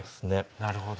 なるほど。